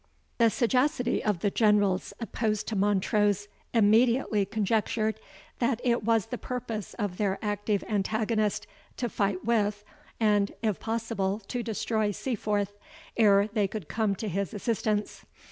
The sagacity of the generals opposed to Montrose immediately conjectured, that it was the purpose of their active antagonist to fight with, and, if possible, to destroy Seaforth, ere they could come to his assistance.